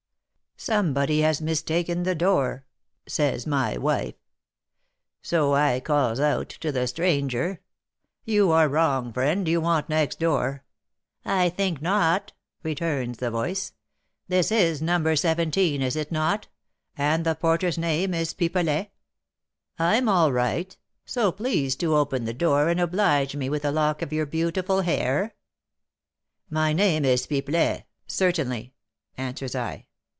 'Somebody has mistaken the door,' says my wife. So I calls out to the stranger, 'You are wrong, friend, you want next door.' 'I think not,' returns the voice; 'this is No. 17, is it not, and the porter's name is Pipelet? I'm all right; so please to open the door and oblige me with a lock of your beautiful hair.' 'My name is Pipelet, certainly,' answers I.